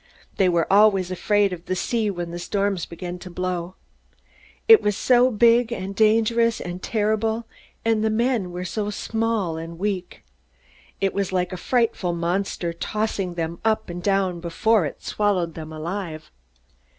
They were always afraid of the sea when storms began to blow. It was so big and dangerous and terrible, and men were so small and weak! It was like a frightful monster, tossing them up and down before it swallowed them alive.